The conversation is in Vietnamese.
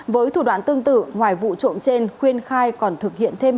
với thủ đoạn tương tự ngoài vụ trộm trên khuyên khai còn thực hiện thêm